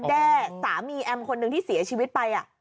แด้สามีแอมคนหนึ่งที่เสียชีวิตไป